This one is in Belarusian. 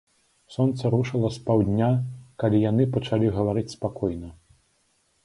Сонца рушыла з паўдня, калі яны пачалі гаварыць спакойна.